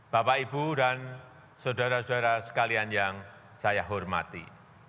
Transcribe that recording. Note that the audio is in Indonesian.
bapak ibu dan saudara saudara sekalian yang saya hormati